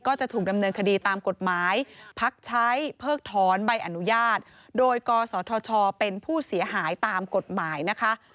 จะถูกดำเนินคดีตามกฎหมายพักใช้เพิกถอนใบอนุญาตโดยกศธชเป็นผู้เสียหายตามกฎหมายนะคะ